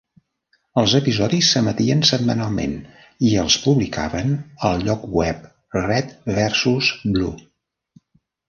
Els episodis s'emetien setmanalment i els publicaven al lloc web Red versus Blue.